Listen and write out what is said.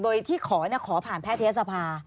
โดยที่ขอผ่านแพทยศภา